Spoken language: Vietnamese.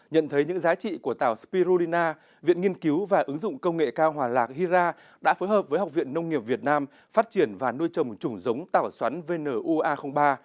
nhận thấy những giá trị của tàu spirulina viện nghiên cứu và ứng dụng công nghệ cao hòa lạc hira đã phối hợp với học viện nông nghiệp việt nam phát triển và nuôi trồng chủng giống tàu xoắn vnua ba